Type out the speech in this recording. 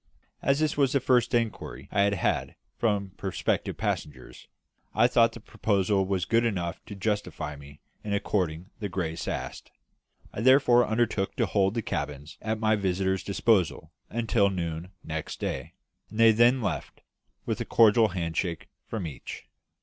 As this was the first inquiry I had had from prospective passengers, I thought the proposal was good enough to justify me in according the grace asked. I therefore undertook to hold the cabins at my visitors' disposal until noon next day; and they then left, with a cordial hand shake from each.